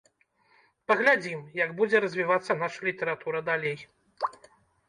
Паглядзім, як будзе развівацца наша літаратура далей.